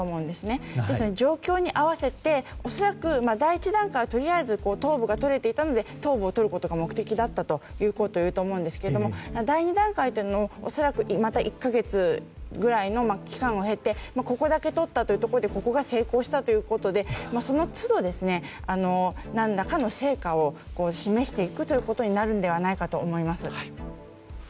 ですので状況に合わせて恐らく第１段階はとりあえず東部が取れていたので東部を取ることが目的だったということをいうと思うんですけども第２段階は恐らくまた１か月ぐらいの期間を経てここだけ取ったというところでここが成功したということでその都度、何らかの成果を示していくということになるのではないかと思います。